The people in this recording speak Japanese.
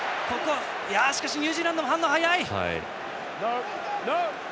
しかしニュージーランドも反応が早い。